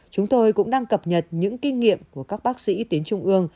chúng tôi cũng đang cập nhật những kinh nghiệm của các bác sĩ tuyến trung ương